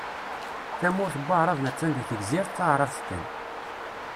Tamurt n Waεraben attan deg Tegzirt Taεrabt kan.